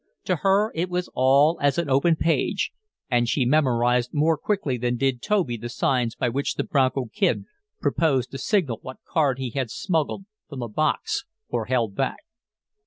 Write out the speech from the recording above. To her it was all as an open page, and she memorized more quickly than did Toby the signs by which the Bronco Kid proposed to signal what card he had smuggled from the box or held back.